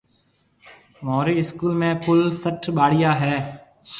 مهورِي اسڪول ۾ ڪُل سهٽ ٻاݪيا هيَ۔